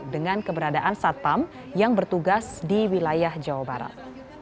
dengan keberadaan satpam yang bertugas di wilayah jawa barat